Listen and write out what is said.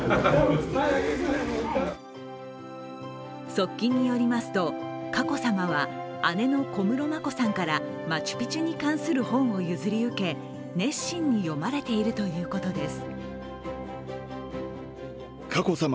側近によりますと、佳子さまは姉の小室眞子さんからマチュピチュに関する本を譲り受け熱心に読まれているということです。